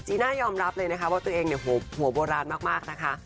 จีน่ายอมรับเลยว่าตัวเองหัวโบราณมากนะคะ